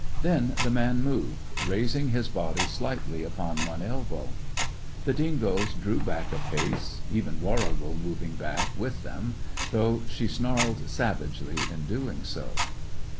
Then the man moved, raising his body slightly upon one elbow. The dingoes drew back a pace, even Warrigal moving back with them, though she snarled savagely in doing so.